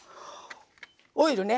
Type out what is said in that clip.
オイルね。